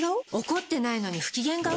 怒ってないのに不機嫌顔？